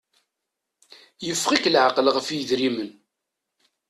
Yeffeɣ-ik laɛqel ɣef idrimen.